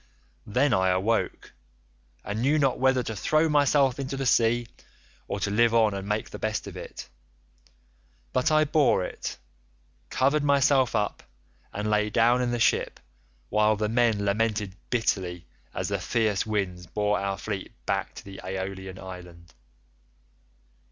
Then I awoke, and knew not whether to throw myself into the sea or to live on and make the best of it; but I bore it, covered myself up, and lay down in the ship, while the men lamented bitterly as the fierce winds bore our fleet back to the Aeolian island.